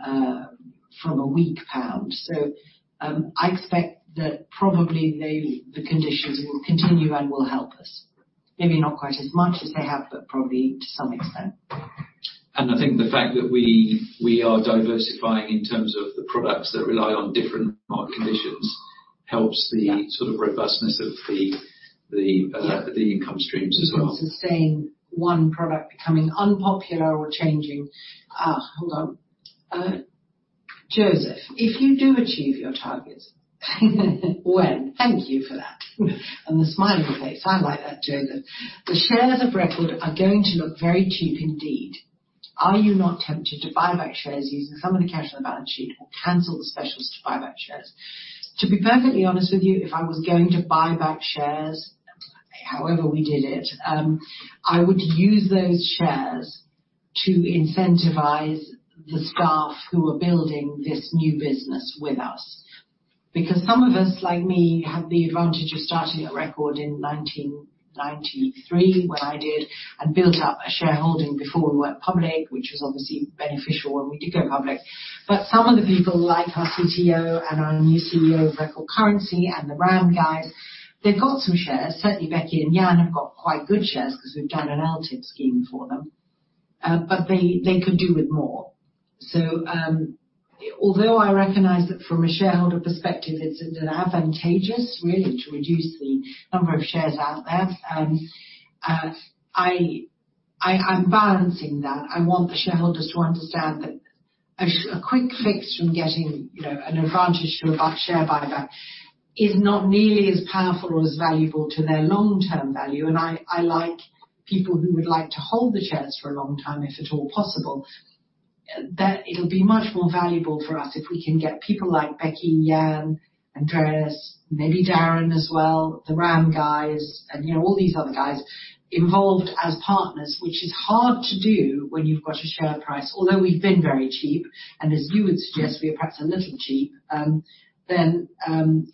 a weak pound. I expect that probably the conditions will continue and will help us. Maybe not quite as much as they have, but probably to some extent. I think the fact that we are diversifying in terms of the products that rely on different market conditions, helps. Yeah sort of robustness of the, the income streams as well. In terms of saying one product becoming unpopular or changing. Hold on, Joseph, if you do achieve your targets, when, thank you for that, and the smiley face. I like that, Joseph. The shares of Record are going to look very cheap indeed. Are you not tempted to buy back shares using some of the cash on the balance sheet or cancel the specials to buy back shares? To be perfectly honest with you, if I was going to buy back shares, however we did it, I would use those shares to incentivize the staff who are building this new business with us. Some of us, like me, had the advantage of starting at Record in 1993, when I did, and built up a shareholding before we went public, which was obviously beneficial when we did go public. Some of the people, like our CTO and our new CEO of Record Currency and the RAM guys, they've got some shares. Certainly, Becky and Jan have got quite good shares because we've done an LTIP scheme for them. They could do with more. Although I recognize that from a shareholder perspective, it's advantageous, really, to reduce the number of shares out there, I'm balancing that. I want the shareholders to understand that a quick fix from getting, you know, an advantage from a $1 share buyback is not nearly as powerful or as valuable to their long-term value. I like people who would like to hold the shares for a long time, if at all possible. That it'll be much more valuable for us if we can get people like Becky, Jan, Andreas, maybe Darren as well, the RAM guys, and, you know, all these other guys involved as partners, which is hard to do when you've got a share price. Although we've been very cheap, and as you would suggest, we are perhaps a little cheap, then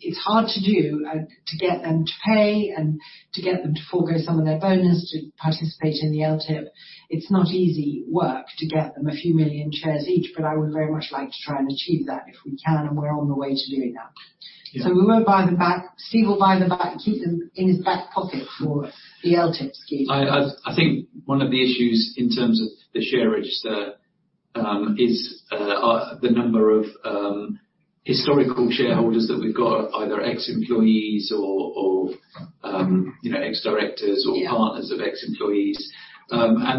it's hard to do to get them to pay and to get them to forgo some of their bonus to participate in the LTIP. It's not easy work to get them a few million shares each, but I would very much like to try and achieve that if we can, and we're on the way to doing that. Yeah. We won't buy them back. Steve will buy them back and keep them in his back pocket for the LTIP scheme. I think one of the issues in terms of the share register, is the number of historical shareholders that we've got, either ex-employees or, you know, ex-directors. Yeah. partners of ex-employees. Relatives.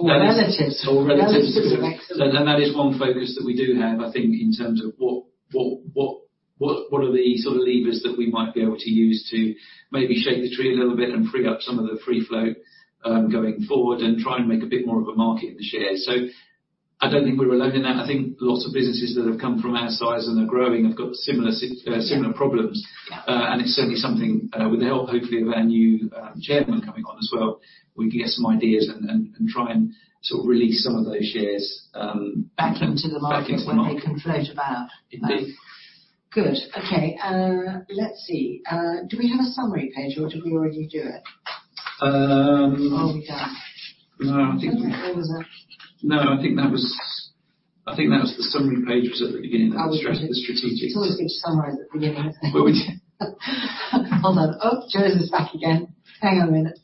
Relatives. Relatives of ex- That is one focus that we do have, I think, in terms of what are the sort of levers that we might be able to use to maybe shake the tree a little bit and free up some of the free float, going forward, and try and make a bit more of a market in the shares. I don't think we're alone in that. I think lots of businesses that have come from our size and are growing have got similar problems. Yeah. It's certainly something, with the help, hopefully, of our new chairman coming on as well, we can get some ideas and try and sort of release some of those shares. Back into the market. Back into the market. Where they can float about. Indeed. Good. Okay, let's see. Do we have a summary page, or did we already do it? Um... Oh, we're done. No. was that- No, I think that was the summary page was at the beginning that addressed the strategic. It's always good to summarize at the beginning. Well, we did. Hold on. Oh, Joseph's back again. Hang on a minute.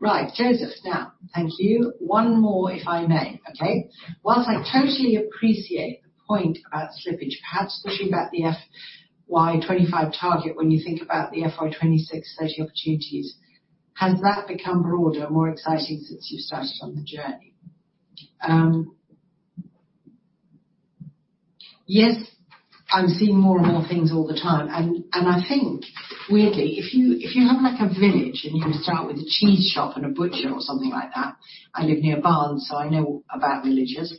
Right. Joseph, now, thank you. One more, if I may. Okay. While I totally appreciate the point about slippage, perhaps pushing back the FY 2025 target, when you think about the FY 2026-2030 opportunities, has that become broader, more exciting since you started on the journey? Yes, I'm seeing more and more things all the time, and I think, weirdly, if you have, like, a village, and you start with a cheese shop and a butcher or something like that, I live near Barnes, so I know about villages.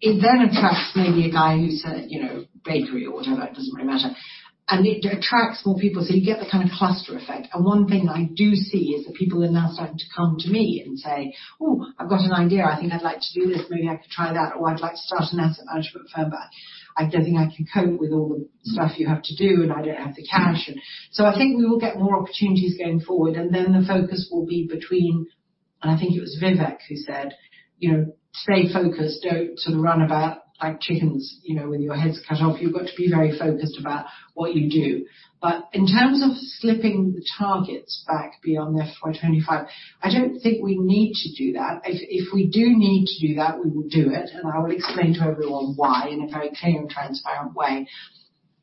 It then attracts maybe a guy who's a, you know, bakery or whatever, it doesn't really matter. It attracts more people, so you get the kind of cluster effect. One thing I do see is that people are now starting to come to me and say, "Oh, I've got an idea. I think I'd like to do this. Maybe I could try that," or, "I'd like to start an asset management firm, but I don't think I can cope with all the stuff you have to do, and I don't have the cash." I think we will get more opportunities going forward, and then the focus will be between... I think it was Vivek who said, you know, "Stay focused. Don't sort of run about like chickens, you know, with your heads cut off." You've got to be very focused about what you do. In terms of slipping the targets back beyond the FY 2025, I don't think we need to do that. If we do need to do that, we will do it, and I will explain to everyone why in a very clear and transparent way.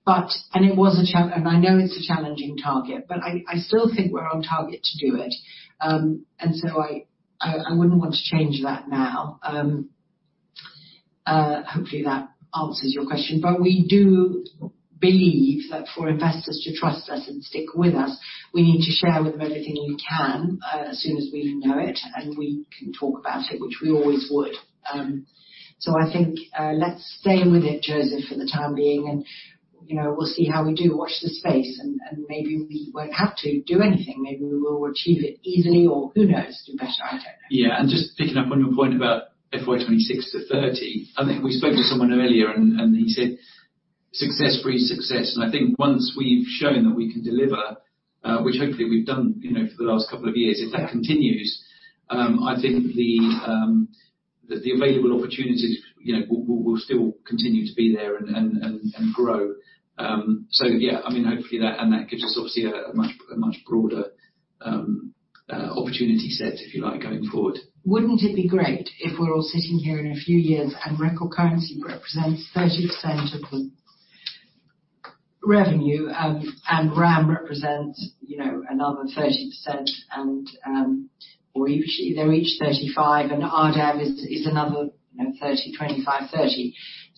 It was a challenging target, but I still think we're on target to do it. I wouldn't want to change that now. Hopefully, that answers your question, but we do believe that for investors to trust us and stick with us, we need to share with them everything we can, as soon as we know it, and we can talk about it, which we always would. I think, let's stay with it, Joseph, for the time being, and, you know, we'll see how we do. Watch this space, and maybe we won't have to do anything. Maybe we will achieve it easily or who knows? Do better. I don't know. Yeah, just picking up on your point about FY 2026-2030, I think we spoke with someone earlier, and he said, "Success breeds success." I think once we've shown that we can deliver, which hopefully we've done, you know, for the last couple of years, if that continues, I think the available opportunities, you know, will still continue to be there and grow. Yeah, I mean, hopefully, that, and that gives us obviously a much broader opportunity set, if you like, going forward. Wouldn't it be great if we're all sitting here in a few years, Record Currency represents 30% of the revenue, and RAM represents, you know, another 30% and, or each, they're each 35%, and RDAM is another, you know, 30%, 25%, 30%?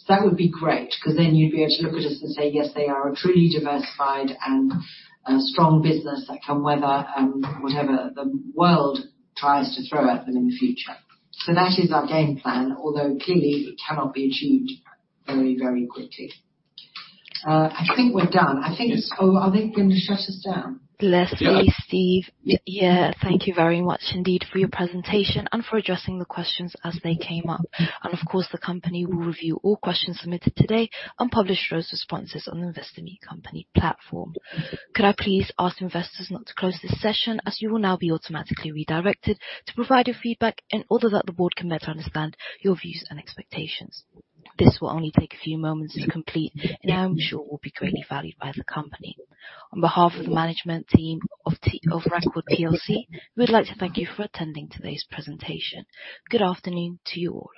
That would be great, because then you'd be able to look at us and say, "Yes, they are a truly diversified and a strong business that can weather, whatever the world tries to throw at them in the future." That is our game plan, although clearly, it cannot be achieved very, very quickly. I think we're done. Yes. I think... Oh, are they going to shut us down? Leslie, Steve. Yeah, thank you very much indeed for your presentation and for addressing the questions as they came up. Of course, the company will review all questions submitted today and publish those responses on the Investor Meet Company platform. Could I please ask investors not to close this session, as you will now be automatically redirected to provide your feedback in order that the board can better understand your views and expectations. This will only take a few moments to complete, and I am sure will be greatly valued by the company. On behalf of the management team of Record PLC, we would like to thank you for attending today's presentation. Good afternoon to you all.